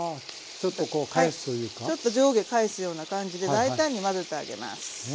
ちょっと上下返すような感じで大胆に混ぜてあげます。